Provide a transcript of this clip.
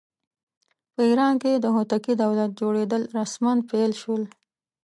په ایران کې د هوتکي دولت جوړېدل رسماً پیل شول.